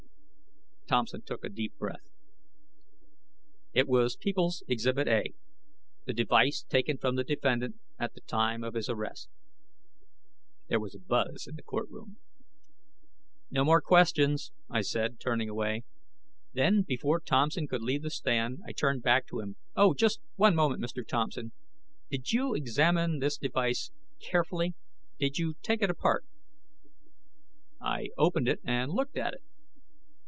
Thompson took a deep breath. "It was People's Exhibit A the device taken from the defendant at the time of his arrest." There was a buzz in the courtroom. "No more questions," I said, turning away. Then, before Thompson could leave the stand, I turned back to him. "Oh, just one moment, Mr. Thompson. Did you examine this device carefully? Did you take it apart?" "I opened it and looked at it."